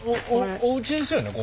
おうちですよね？